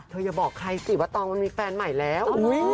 อย่าบอกใครสิว่าตองมันมีแฟนใหม่แล้ว